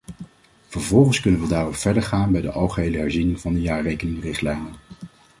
Vervolgens kunnen we daarop verder gaan bij de algehele herziening van de jaarrekeningenrichtlijnen.